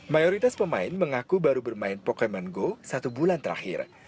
mayoritas pemain mengaku baru bermain pokemon go satu bulan terakhir